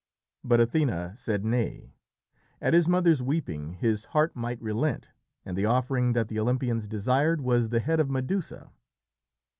But Athené said Nay, at his mother's weeping his heart might relent, and the offering that the Olympians desired was the head of Medusa.